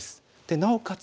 なおかつ